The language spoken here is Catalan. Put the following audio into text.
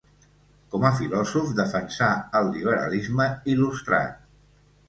Com a filòsof, defensà el liberalisme il·lustrat.